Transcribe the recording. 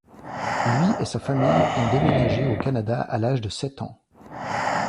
Lui et sa famille ont déménagé au Canada à l’âge de sept ans.